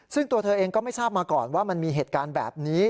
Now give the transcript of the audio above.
ซึ่งตัวเธอเองก็ไม่ทราบมาก่อนว่ามันมีเหตุการณ์แบบนี้